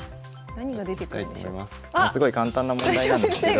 すごい簡単な問題なんですけど。